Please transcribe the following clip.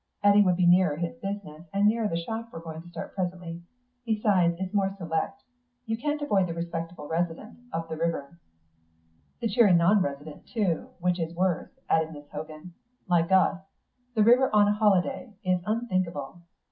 "Eddy would be nearer his business, and nearer the shop we're going to start presently. Besides, it's more select. You can't avoid the respectable resident, up the river." "The cheery non resident, too, which is worse," added Miss Hogan. "Like us. The river on a holiday is unthinkable.